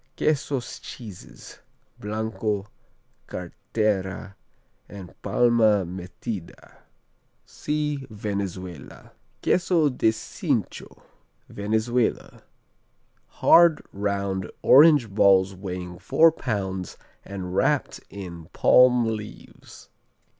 Quesos Cheeses: Blanco, Cartera and Palma Metida see Venezuela. Queso de Cincho Venezuela Hard, round orange balls weighing four pounds and wrapped in palm leaves.